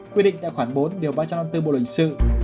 quy định tại khoản bốn điều ba trăm năm mươi bốn bộ lịch sự